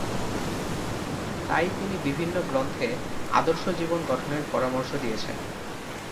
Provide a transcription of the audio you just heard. তাই তিনি বিভিন্ন গ্রন্থে আদর্শ জীবন গঠনের পরামর্শ দিয়েছেন।